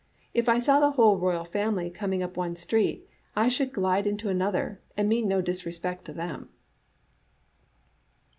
If I saw the whole royal family coming up one street I should glide into another, and mean no disrespect to them."